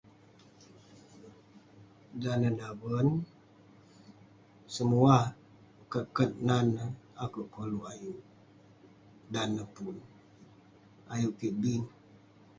Dan neh daven, semuah, kat kat nan neh akouk koluk ayuk..dan neh pun, ayuk kik bin